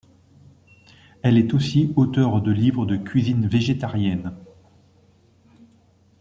Elle est aussi auteure de livres de cuisine végétarienne.